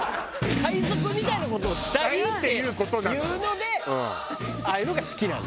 海賊みたいな事をしたいっていうのでああいうのが好きなの。